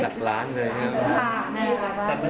หลักล้านเลยนะครับ